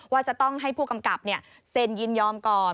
ว่าจะต้องให้ผู้กำกับเซ็นยินยอมก่อน